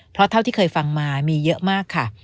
เพราะเท่าที่เคยฟังมามีเยอะมากค่ะ